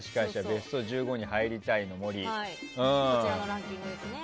ベスト１５に入りたい森。